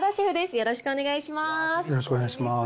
よろしくお願いします。